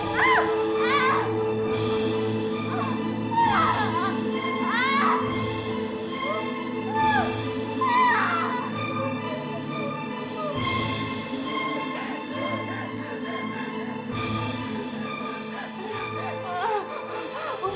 aduh sayang sudah pelanggar batang matanya dulira aduh